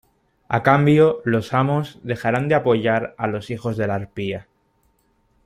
A cambio, los Amos dejarán de apoyar a los Hijos de la Arpía.